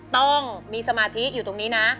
ต้องมีสมาธิอยู่ตรงนี้นะ